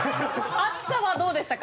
熱さはどうでしたか？